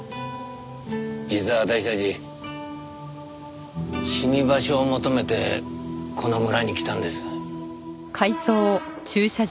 実は私たち死に場所を求めてこの村に来たんです。